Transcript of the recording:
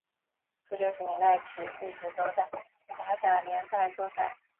自六十年代起一直都是在法甲联赛作赛。